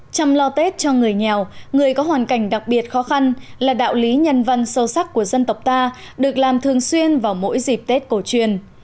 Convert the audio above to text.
chăm lo tết cho người nghèo người có hoàn cảnh đặc biệt khó khăn là đạo lý nhân văn sâu sắc của dân tộc ta được làm thường xuyên vào mỗi dịp tết cổ truyền